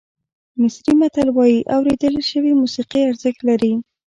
مصري متل وایي اورېدل شوې موسیقي ارزښت لري.